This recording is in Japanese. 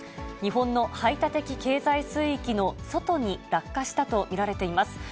日本の排他的経済水域の外に落下したと見られています。